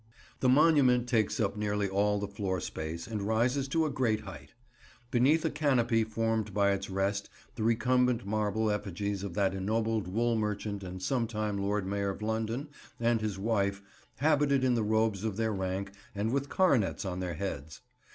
The monument takes up nearly all the floor space and rises to a great height. Beneath a canopy formed by it rest the recumbent marble effigies of that ennobled wool merchant and sometime Lord Mayor of London, and his wife, habited in the robes of their rank, and with coronets on their heads.